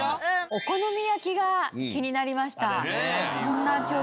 お好み焼きが気になりました。